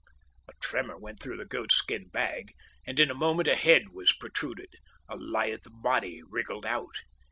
A tremor went through the goatskin bag, and in a moment a head was protruded. A lithe body wriggled out.